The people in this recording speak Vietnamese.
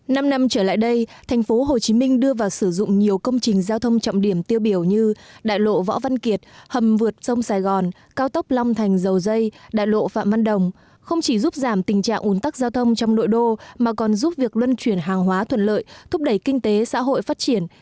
năm năm trở lại đây tp hcm đưa vào sử dụng nhiều công trình giao thông trọng điểm tiêu biểu như đại lộ võ văn kiệt hầm vượt sông sài gòn cao tốc long thành dầu dây đại lộ phạm văn đồng không chỉ giúp giảm tình trạng ủn tắc giao thông trong nội đô mà còn giúp việc luân chuyển hàng hóa thuận lợi thúc đẩy kinh tế xã hội phát triển